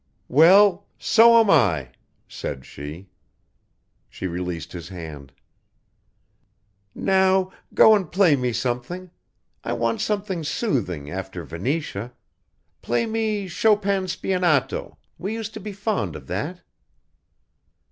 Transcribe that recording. "Well, so am I," said she. She released his hand. "Now go and play me something. I want something soothing after Venetia play me Chopin's Spianato we used to be fond of that."